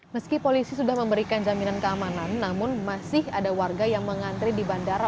meski polisi sudah memberikan jaminan keamanan namun masih ada warga yang mengantri di bandara